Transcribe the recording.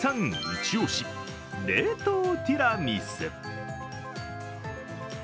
一押し冷凍ティラミス。